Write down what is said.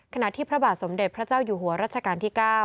ที่พระบาทสมเด็จพระเจ้าอยู่หัวรัชกาลที่๙